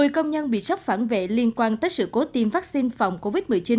một mươi công nhân bị sốc phản vệ liên quan tới sự cố tiêm vaccine phòng covid một mươi chín